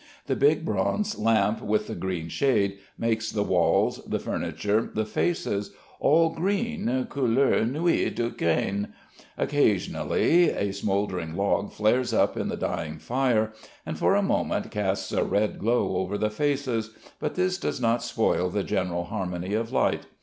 The big bronze lamp with the green shade, makes the walls, the furniture, the faces, all green, couleur "Nuit d'Ukraine" Occasionally a smouldering log flares up in the dying fire and for a moment casts a red glow over the faces; but this does not spoil the general harmony of light.